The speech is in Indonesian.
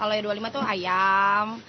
kalau yang dua puluh lima tuh ayam